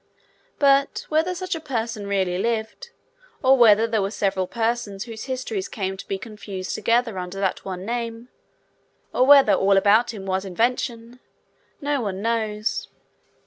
But, whether such a person really lived, or whether there were several persons whose histories came to be confused together under that one name, or whether all about him was invention, no one knows.